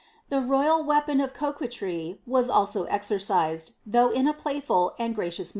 The royal wea pon ol' coquetry was also exercised, though in a playful and gracious '>taie rnjMjr Records.